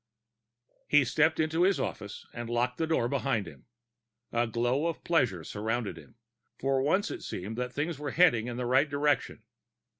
He stepped into his office and locked the door behind him. A glow of pleasure surrounded him; for once it seemed that things were heading in the right direction.